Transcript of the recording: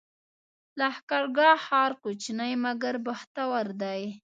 لښکرګاه ښار کوچنی مګر بختور دی